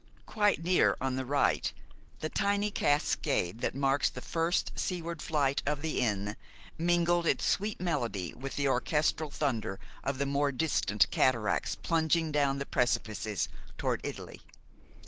Quite near, on the right, the tiny cascade that marks the first seaward flight of the Inn mingled its sweet melody with the orchestral thunder of the more distant cataracts plunging down the precipices toward Italy.